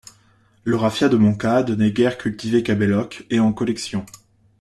Le Raffiat de Moncade n'est guère cultivé qu'à Bellocq et en collection.